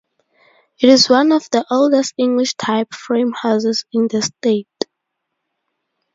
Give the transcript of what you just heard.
It is one of the oldest English-type frame houses in the state.